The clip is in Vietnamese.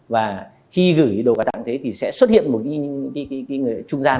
và khi gửi đồ quà tặng thế thì sẽ xuất hiện một người trung gian